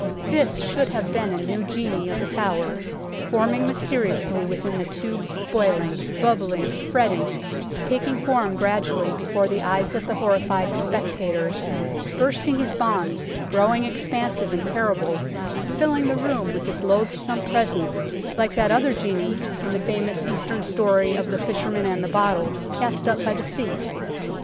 This should have been a new Genii of The Tower, forming mysteriously within the " tube," boiling, bub bling, fretting, taking form gradually before the eyes of the horrified spectators, bursting his bonds, growing expansive and terrible, filling the room with his loathsome presence, like that other genii in the famous Eastern story of the Fisherman and the Bottle cast up by the sea.